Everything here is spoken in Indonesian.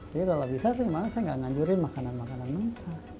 jadi kalau bisa sih saya gak nganjurin makanan makanan mentah